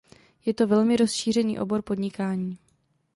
Je to velmi rozšíření obor podnikání.